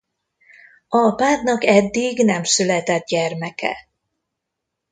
A párnak eddig nem született gyermeke.